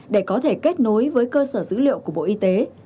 để có thể kết nối với cơ sở dữ liệu của bộ y tế